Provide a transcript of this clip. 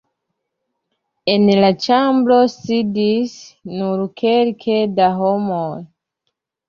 En la ĉambro sidis nur kelke da homoj.